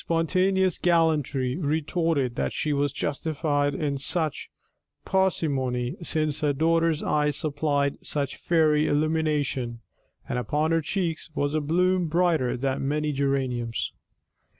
"] And I, with spontaneous gallantry, retorted that she was justified in such parsimony, since her daughter's eyes supplied such fairy illumination, and upon her cheeks was a bloom brighter than many geraniums.